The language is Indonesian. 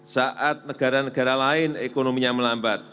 saat negara negara lain ekonominya melambat